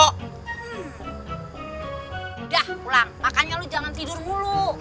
udah pulang makanya lu jangan tidur mulu